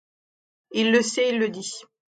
Il le sait, il le dit.